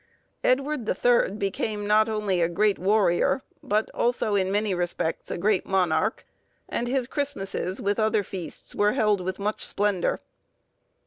Edward the Third became not only a great warrior, but, also, in many respects, a great monarch, and his Christmasses, with other feasts, were held with much splendour.